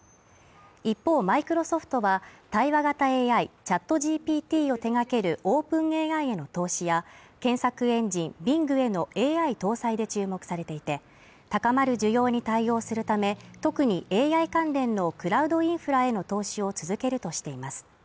一方マイクロソフトは、対話型ＡＩＣｈａｔＧＰＴを手がけるオープンＡＩへの投資や検索エンジンＢｉｎｇへのＡＩ搭載で注目されていて、高まる需要に対応するため、特にＡＩ関連のクラウドインフラへの投資を続けるとしています。